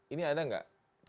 ini ada nggak